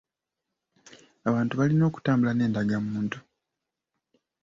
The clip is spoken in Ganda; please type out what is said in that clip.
Abantu balina okutambula n’endagamuntu.